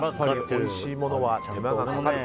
おいしいものは手間がかかる。